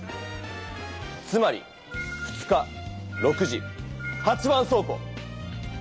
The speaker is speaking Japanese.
つまり２日６時８番そう庫。